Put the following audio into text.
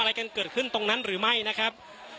อะไรกันเกิดขึ้นตรงนั้นหรือไม่นะครับ